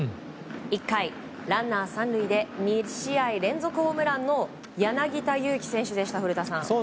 １回、ランナー３塁で２試合連続ホームランの柳田悠岐選手でした、古田さん。